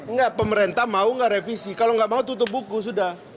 enggak pemerintah mau nggak revisi kalau nggak mau tutup buku sudah